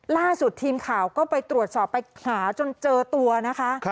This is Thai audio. ล่าสุดทีมข่าวก็ไปตรวจสอบไปหาจนเจอตัวนะคะ